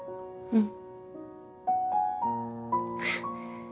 うん！